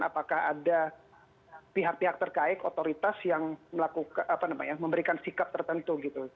apakah ada pihak pihak terkait otoritas yang memberikan sikap tertentu gitu